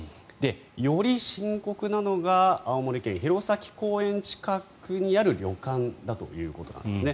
より深刻なのが青森県・弘前公園近くにある旅館だということなんですね。